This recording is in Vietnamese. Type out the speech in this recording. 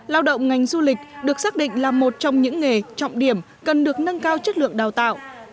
lao động ngành du lịch được xác định là một trong những nghề trọng điểm cần được nâng cao chất lượng đào tạo